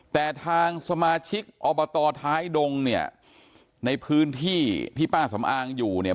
แต่ทางสมาชิกอบตท้ายดงเนี่ยในพื้นที่ที่ป้าสำอางอยู่เนี่ย